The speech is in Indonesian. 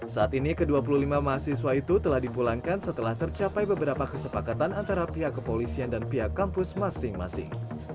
saat ini ke dua puluh lima mahasiswa itu telah dipulangkan setelah tercapai beberapa kesepakatan antara pihak kepolisian dan pihak kampus masing masing